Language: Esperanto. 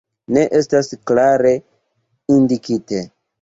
Ne estas klare indikite.